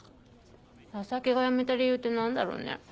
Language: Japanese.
佐々木が辞めた理由って何だろうね。